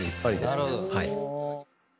はい。